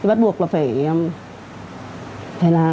thì bắt buộc là phải làm